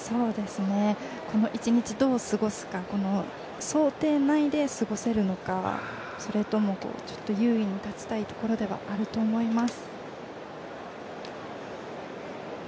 この一日どう過ごすか、想定内で過ごせるのか、それとも、優位に立ちたいところではあると思います。